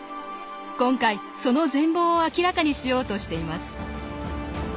今回その全貌を明らかにしようとしています。